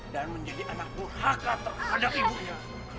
dan menjadi anak burhaka terhadap ibunya